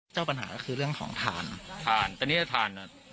เจ้าปัญหาคือเรื่องของถ่านถ่านตอนนี้ถ่าน